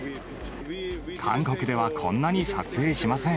韓国ではこんなに撮影しません。